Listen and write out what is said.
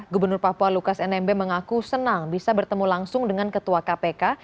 gubernur papua lukas nmb mengaku senang bisa bertemu langsung dengan ketua kpk